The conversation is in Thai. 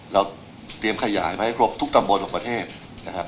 เราเตรียมขยายมาให้ครบทุกตำบลของประเทศนะครับ